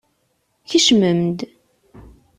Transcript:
Kecmem-d.